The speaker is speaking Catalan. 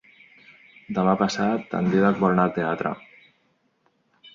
Demà passat en Dídac vol anar al teatre.